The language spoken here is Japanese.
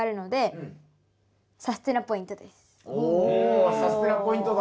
おさすてなポイントだ。